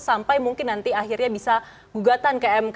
sampai mungkin nanti akhirnya bisa gugatan kmk